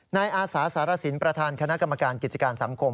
นายอาสาสารสินประธานคณะกรรมการกิจการสังคม